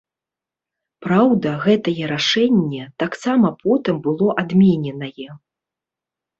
Праўда, гэтае рашэнне таксама потым было адмененае.